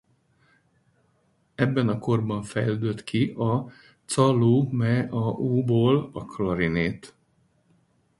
Ebben a korban fejlődött ki a chalumeau-ból a klarinét.